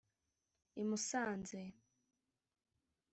I Musanze